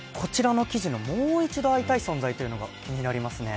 もう一度会いたい存在というのが気になりますね。